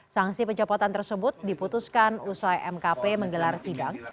sanksi pencopotan tersebut diputuskan usai mkp menggelar sidang